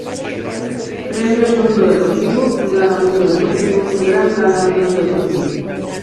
Premios Mundo Deportivo, Gala Mundo Deportivo, Gran Gala Mundo Deportivo.